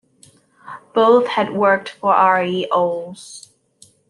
Both had worked for R. E. Olds.